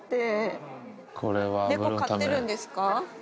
猫飼ってるんですか？